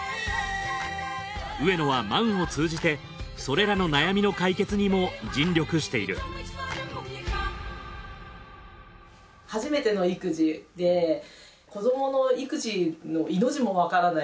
上野はＭＡＮを通じてそれらの悩みの解決にも尽力している初めての育児で子どもの育児のいの字もわからない。